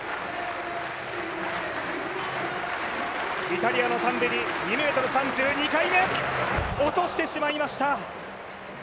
イタリアのタンベリ、２ｍ３０、２回目、落としてしまいました。